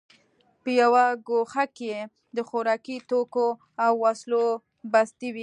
په یوه ګوښه کې د خوراکي توکو او وسلو بستې وې